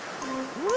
あれ？